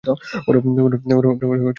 ওরা নিয়মিত আসেন।